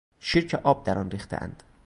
شیر که آب در آن ریختهاند